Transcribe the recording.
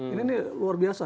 ini luar biasa